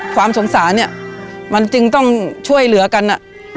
ความสงสารเนี่ยมันจึงต้องช่วยเหลือกันอ่ะ